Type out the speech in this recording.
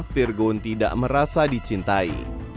virgon tidak merasa dicintai